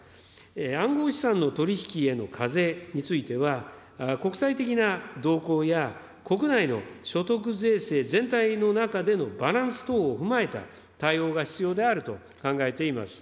暗号資産の取り引きへの課税については、国際的な動向や、国内の所得税制全体の中でのバランス等を踏まえた対応が必要であると考えています。